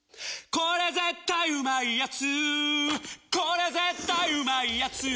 これ絶対うまいやつ」